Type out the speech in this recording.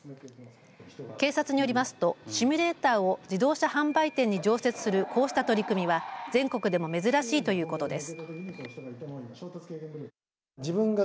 警察によりますとシミュレーターを自動車販売店に常設する、こうした取り組みは全国でも珍しいということです。